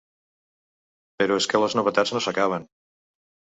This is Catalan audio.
Però és que les novetats no s’acaben.